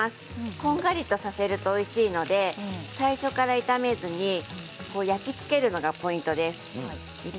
こんがりとさせるとおいしいので最初から炒めずに焼き付けるのがポイントです